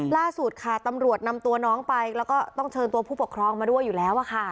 ล่าสุดค่ะตำรวจนำตัวน้องไปแล้วก็ต้องเชิญตัวผู้ปกครองมาด้วยอยู่แล้วค่ะ